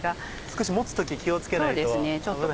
少し持つ時気を付けないと。